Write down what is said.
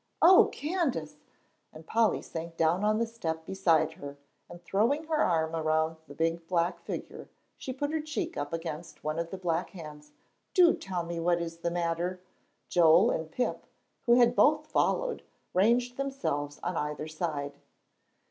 "Oh, Candace!" and Polly sank down on the step beside her and throwing her arm around the big black figure, she put her cheek up against one of the black hands, "do tell me what is the matter." Joel and Pip, who had both followed, ranged themselves on either side.